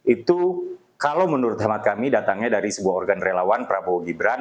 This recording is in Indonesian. itu kalau menurut hemat kami datangnya dari sebuah organ relawan prabowo gibran